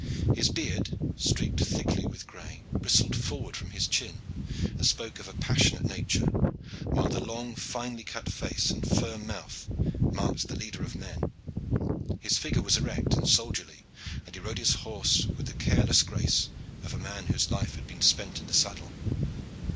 His beard, streaked thickly with gray, bristled forward from his chin, and spoke of a passionate nature, while the long, finely cut face and firm mouth marked the leader of men. His figure was erect and soldierly, and he rode his horse with the careless grace of a man whose life had been spent in the saddle.